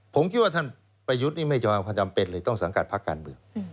ผมคิดว่าท่านประยุทธ์นี่ไม่ใช่ความจำเป็นเลยต้องสังกัดพักการเมือง